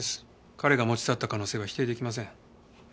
彼が持ち去った可能性は否定できません。